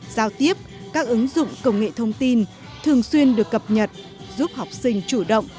giao tiếp các ứng dụng công nghệ thông tin thường xuyên được cập nhật giúp học sinh chủ động